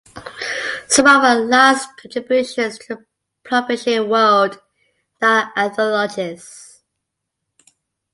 Some of her last contributions to the publishing world are her anthologies.